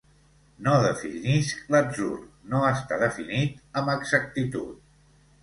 No definisc l'atzur, no està definit amb exactitud.